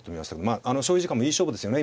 まああの消費時間もいい勝負ですよね。